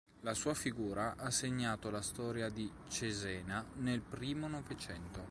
La sua figura ha segnato la storia di Cesena nel primo novecento.